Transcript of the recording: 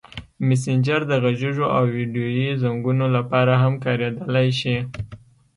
مسېنجر د غږیزو او ویډیويي زنګونو لپاره هم کارېدلی شي.